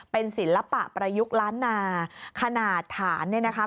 เป็นศิลปะประยุกต์ล้านนาขนาดฐานเนี่ยนะคะ